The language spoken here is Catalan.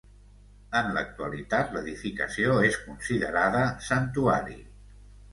En l'actualitat l'edificació és considerada santuari.